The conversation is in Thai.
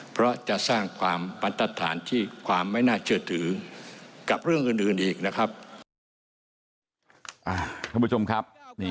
เพราะจะสร้างความปันตรฐานที่ความไม่น่าเชื่อถือกับเรื่องอื่นอีกนะครับ